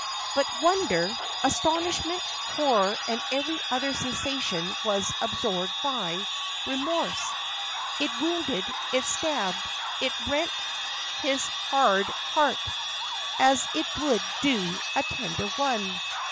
But wonder, astonishment, horror, and every other sensation was absorbed by Remorse: it wounded, it stabbed, it rent his hard heart, as it would do a tender one.